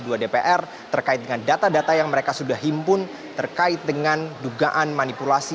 ketua dpr terkait dengan data data yang mereka sudah himpun terkait dengan dugaan manipulasi